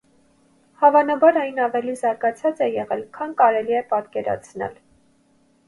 Հավանաբար, այն ավելի զարգացած է եղել, քան կարելի է պատկերացնել։